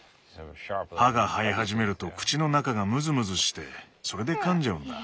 歯が生え始めると口の中がムズムズしてそれで噛んじゃうんだ。